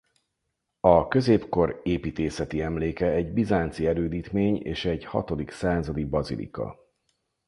A középkor építészeti emléke egy bizánci erődítmény és egy hatodik századi bazilika.